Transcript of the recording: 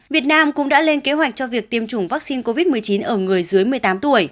việt nam cũng đã lên kế hoạch cho việc tiêm chủng vaccine covid một mươi chín ở người dưới một mươi tám tuổi